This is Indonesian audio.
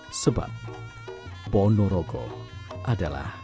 dan dengan mendapatkan banyak pendapat dari penonton raja klono juga mencintai pengalaman